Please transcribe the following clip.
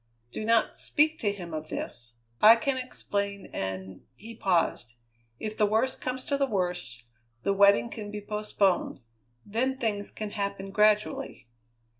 Do not speak to him of this. I can explain, and " he paused "if the worse comes to the worst, the wedding can be postponed; then things can happen gradually."